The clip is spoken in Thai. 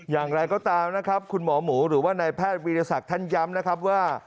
อย่างไรก็ตามนะครับคุณหมอหมูหรือว่านายแพทย์วีรศักดิ์ท่านย้ำนะครับว่า